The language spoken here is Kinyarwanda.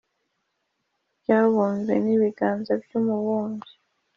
byabumbwe n’ibiganza by’umubumbyi?